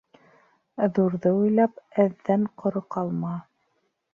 Ҙурҙы уйлап, әҙҙән ҡоро ҡалма.